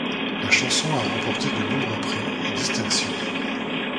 La chanson a remporté de nombreux prix et distinctions.